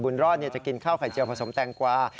รอดจะกินข้าวไข่เจียวผสมแตงกวา